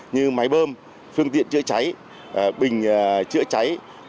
như máy bơm phương tiện chữa cháy bình chữa cháy